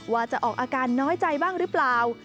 ว่าจะออกอาการน้อยใจบ้างหรือเปล่า